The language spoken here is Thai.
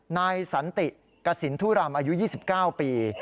นายสันติกสินทุรำอายุ๒๙ปี